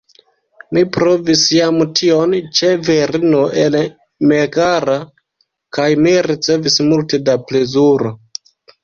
Mi provis jam tion ĉe virino el Megara, kaj mi ricevis multe da plezuro.